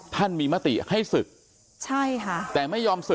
ท่านมีมติให้ศึกใช่ค่ะแต่ไม่ยอมศึก